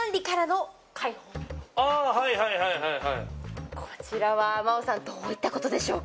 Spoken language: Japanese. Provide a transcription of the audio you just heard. はいはいはいはいはい・こちらは真央さんどういったことでしょうか？